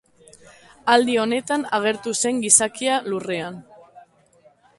Aldi honetan agertu zen gizakia Lurrean.